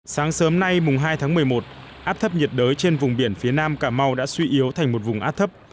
sáng sớm nay mùng hai tháng một mươi một áp thấp nhiệt đới trên vùng biển phía nam cà mau đã suy yếu thành một vùng áp thấp